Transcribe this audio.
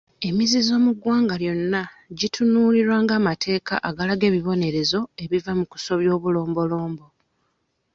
Emizizo mu ggwanga lyonna gitunuulirwa ng'amateeka agalaga ebibonerezo ebiva mu kusobya obulombolombo.